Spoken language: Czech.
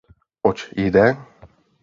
Oč jde?